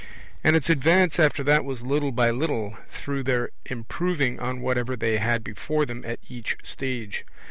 And its advance after that was little by little, through their improving on whatever they had before them at each stage.